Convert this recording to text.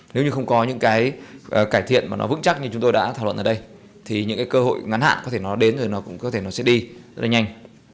nếu như không có những cải thiện vững chắc như chúng tôi đã thảo luận ở đây thì những cơ hội ngắn hạn có thể nó đến rồi nó cũng có thể nó sẽ đi rất là nhanh